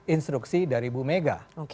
instruksi dari bu mega